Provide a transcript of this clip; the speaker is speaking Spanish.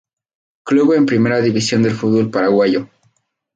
Club en Primera División del Fútbol Paraguayo.